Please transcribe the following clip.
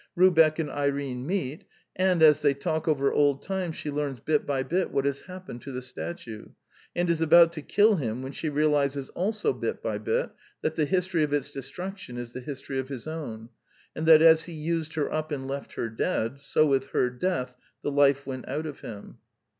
Rubeck and Irene meet; and as they talk over old times, she learns, bit by bit, what has happened to the statue, and is about to kill him when she realizes, also bit by bit, that the history of its destruction is the history of his own, and that as he used her up and left her dead, so with her death the life went out of him.